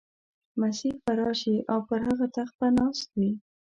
مسیح به راشي او پر هغه تخت به ناست وي.